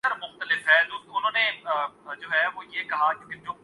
NAB کے سربراہ قمر زمان چوہدری تھے۔